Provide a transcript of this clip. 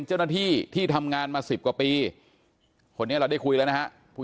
เจ้าหน้าที่ที่ทำงานมาสิบกว่าปีคนนี้เราได้คุยแล้วนะฮะผู้